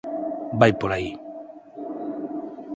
Vai por aí!